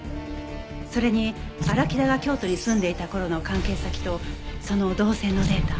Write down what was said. それに荒木田が京都に住んでいた頃の関係先とその動線のデータ